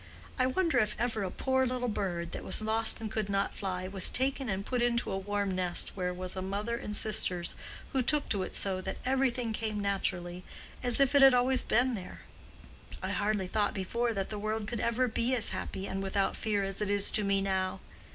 I wonder if ever a poor little bird, that was lost and could not fly, was taken and put into a warm nest where was a mother and sisters who took to it so that everything came naturally, as if it had been always there. I hardly thought before that the world could ever be as happy and without fear as it is to me now."